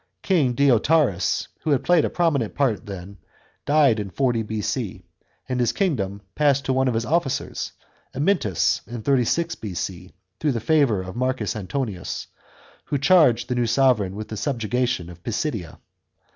King Deiotarus, who had played a prominent part then, died in 40 B.C., and his kingdom passed to one of his officers, Amyntas, in 36 B.C., through the favour of Marcus Antonius, who charged the new sovran with the subjugation of Pisidia.